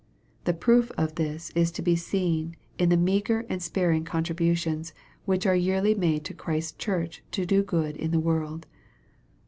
The proof of this is to be seen in the meagre and sparing contributions* which are yearly made by Christ's church to do good in the world.